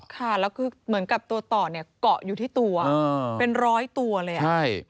ค่ะแล้วคือเหมือนกับตัวต่อเนี่ยเกาะอยู่ที่ตัวเป็นร้อยตัวเลยอ่ะใช่